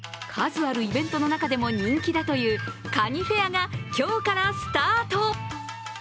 数あるイベントの中でも人気だというかにフェアが今日からスタート。